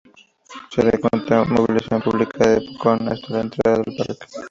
Se cuenta con movilización publica desde Pucón hasta la entrada del Parque.